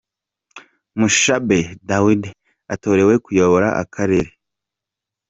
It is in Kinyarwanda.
Mushabe Dawidi atorewe kuyobora akarere.